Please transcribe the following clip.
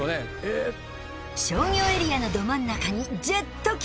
商業エリアのど真ん中にジェット機！